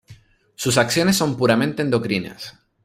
Sus acciones son puramente endocrinas.